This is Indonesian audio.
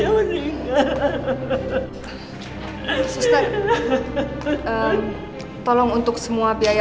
jadi indikasi tunggu saya semuanya